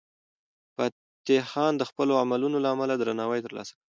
فتح خان د خپلو عملونو له امله درناوی ترلاسه کړ.